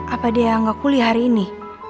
apa dia yang gak kuliah hari ini